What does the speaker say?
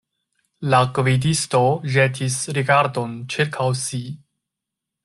La gvidisto ĵetis rigardon ĉirkaŭ si.